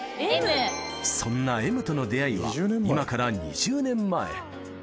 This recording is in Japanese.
そんなＭとの出会いは今から２０年前。